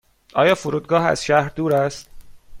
آیا فرودگاه از شهر دور است؟